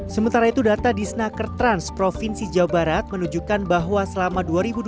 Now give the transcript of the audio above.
sementara itu data di snaker trans provinsi jawa barat menunjukkan bahwa selama dua ribu dua puluh